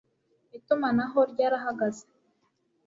itumanaho ryarahagaze